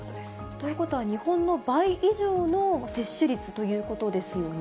ということは、日本の倍以上の接種率ということですよね。